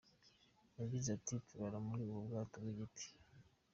Yagize ati “Turara muri ubu bwato bw’igiti.